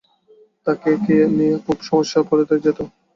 তাকে নিয়ে খুব সমস্যায় পড়ে যেত।